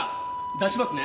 出しますね。